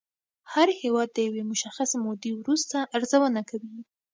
هر هېواد د یوې مشخصې مودې وروسته ارزونه کوي